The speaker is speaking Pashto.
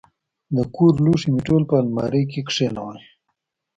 د کور لوښي مې ټول په المارۍ کې کښېنول.